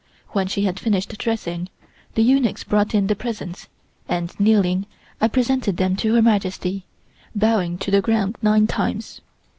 When she had finished dressing, the eunuchs brought in the presents and, kneeling, I presented them to Her Majesty, bowing to the ground nine times.